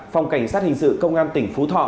phòng cảnh sát hình sự công an tỉnh phú thọ